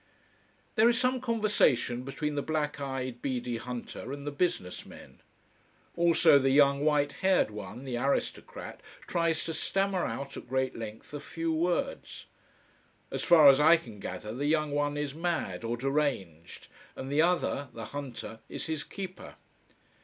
There is some conversation between the black eyed, beady hunter and the business men. Also the young white haired one, the aristocrat, tries to stammer out, at great length, a few words. As far as I can gather the young one is mad or deranged and the other, the hunter, is his keeper.